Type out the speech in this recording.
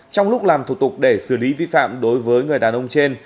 trong lúc làm thủ tục để xử lý vi phạm đối với người đàn ông trên